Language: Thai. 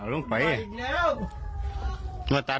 ลูกไปบ่าน